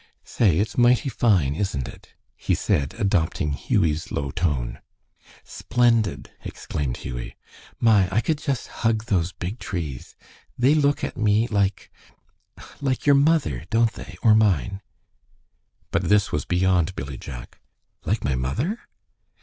"Say, it's mighty fine, isn't it?" he said, adopting Hughie's low tone. "Splendid!" exclaimed Hughie. "My! I could just hug those big trees. They look at me like like your mother, don't they, or mine?" But this was beyond Billy Jack. "Like my mother?"